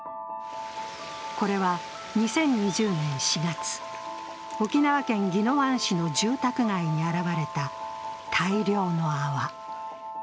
これは２０２０年４月、沖縄県宜野湾市の住宅街に現れた大量の泡。